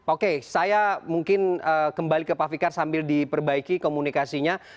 oke saya mungkin kembali ke pak fikar sambil diperbaiki komunikasinya